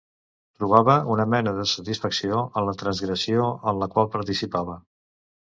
Trobava una mena de satisfacció en la transgressió en la qual participava.